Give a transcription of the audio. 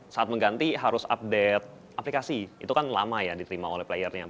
saat mengganti harus update aplikasi itu kan lama ya diterima oleh playernya